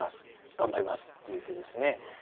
頑張りますっていう手ですね。